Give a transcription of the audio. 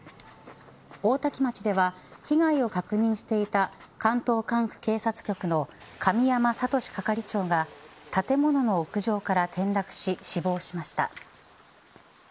大多喜町では被害を確認していた関東管区警察局の神山智志係長が建物の屋上から転落し死亡しました。